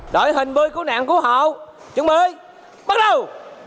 đội hình bơi cứu nạn cứu hậu chuẩn bị bắt đầu